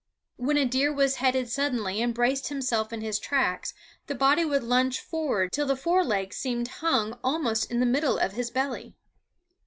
When a deer was headed suddenly and braced himself in his tracks, the body would lunge forward till the fore legs seemed hung almost in the middle of his belly.